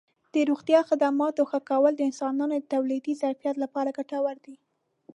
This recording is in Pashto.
د روغتیا خدماتو ښه کول د انسانانو د تولیدي ظرفیت لپاره ګټور دي.